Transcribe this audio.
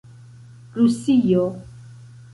rusio